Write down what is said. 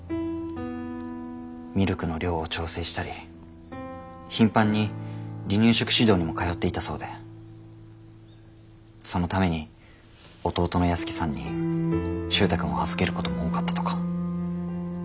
ミルクの量を調整したり頻繁に離乳食指導にも通っていたそうでそのために弟の泰樹さんに周太くんを預けることも多かったとか。